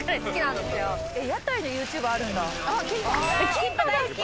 キンパ大好き！